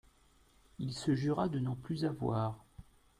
Il se jura de n'en plus avoir.